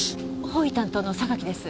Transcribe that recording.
法医担当の榊です。